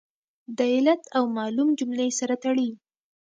د علت او معلول جملې سره تړي.